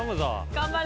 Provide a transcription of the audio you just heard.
頑張れ。